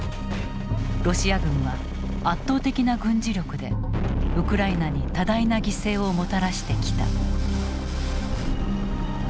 ロシア軍は圧倒的な軍事力でウクライナに多大な犠牲をもたらしてきた。